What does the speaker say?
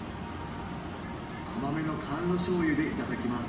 甘めの甘露しょうゆでいただきます